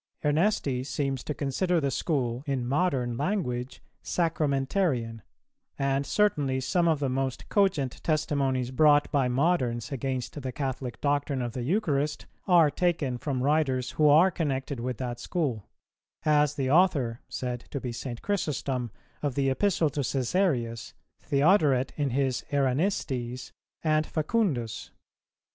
Ernesti seems to consider the school, in modern language, Sacramentarian: and certainly some of the most cogent testimonies brought by moderns against the Catholic doctrine of the Eucharist are taken from writers who are connected with that school; as the author, said to be St. Chrysostom, of the Epistle to Cæsarius, Theodoret in his Eranistes, and Facundus.